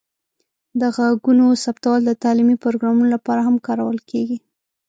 د غږونو ثبتول د تعلیمي پروګرامونو لپاره هم کارول کیږي.